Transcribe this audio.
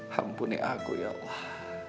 hampuni aku ya allah